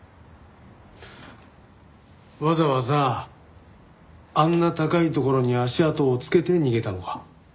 わざわざあんな高い所に足跡をつけて逃げたのか？